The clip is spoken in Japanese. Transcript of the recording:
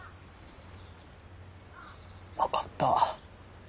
分かった。